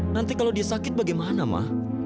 nanti kalau dia sakit bagaimana mah